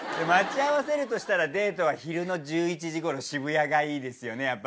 待ち合わせるとしたらデートは昼の１１時ごろ渋谷がいいですよね